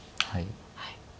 はい。